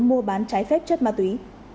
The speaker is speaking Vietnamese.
mua bán trái phép chất ma túy